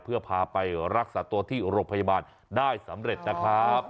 เพื่อพาไปรักษาตัวที่โรงพยาบาลได้สำเร็จนะครับ